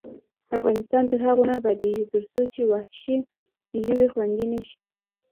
افغانستان تر هغو نه ابادیږي، ترڅو وحشي ژوي خوندي نشي.